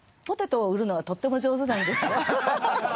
ポテトを売るのはとっても上手なんですよ。